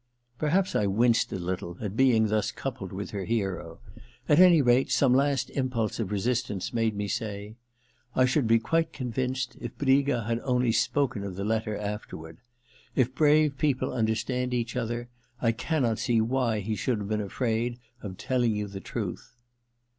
Perhaps I winced a little at being thus coupled with her hero ; at any rate, some last impulse of resistance made me say :^ I should be quite convinced, if Briga had only spoken of the letter afterward. If brave people understand each other, I cannot see why he should have been afraid of telling you the truth.